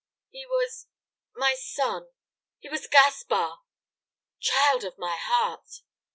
"He was my son. He was Gaspar!" "Child of my heart!